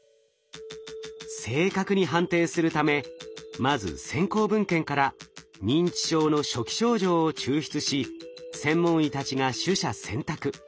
正確に判定するためまず先行文献から認知症の初期症状を抽出し専門医たちが取捨選択。